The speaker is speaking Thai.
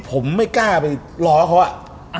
ผมไม่กล้าไปล้อเขาอะ